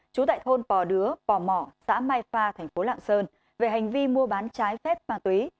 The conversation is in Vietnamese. trú tại thôn pò đứa pò mò xã mai pha thành phố lạng sơn về hành vi mua bán trái phép ma túy